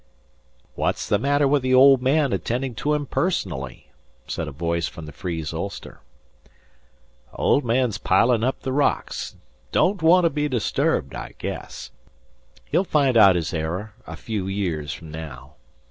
"What's the matter with the old man attending to him personally?" said a voice from the frieze ulster. "Old man's piling up the rocks. 'Don't want to be disturbed, I guess. He'll find out his error a few years from now.